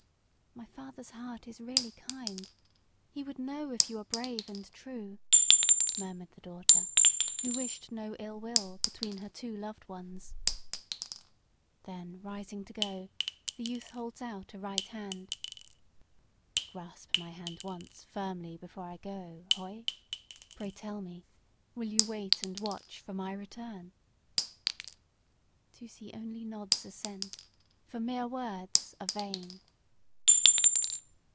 "My father's heart is really kind. He would know if you are brave and true," murmured the daughter, who wished no ill will between her two loved ones. Then rising to go, the youth holds out a right hand. "Grasp my hand once firmly before I go, Hoye. Pray tell me, will you wait and watch for my return?" Tusee only nods assent, for mere words are vain.